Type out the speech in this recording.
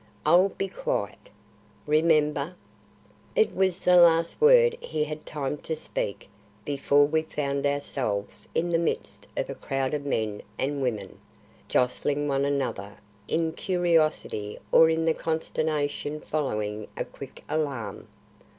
"I'll be quiet." "Remember." It was the last word he had time to speak before we found ourselves in the midst of a crowd of men and women, jostling one another in curiosity or in the consternation following a quick alarm.